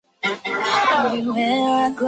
弦理论课题列表。